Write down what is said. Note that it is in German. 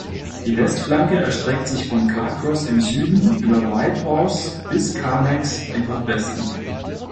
Die Westflanke erstreckt sich von Carcross im Süden über Whitehorse bis Carmacks im Nordwesten.